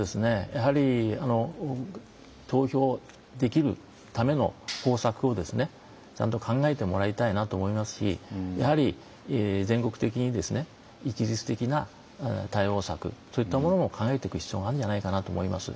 やはり投票できるための方策をちゃんと考えてもらいたいなと思いますしやはり全国的に一律的な対応策そういったものも考えていく必要があるんじゃないかなと思います。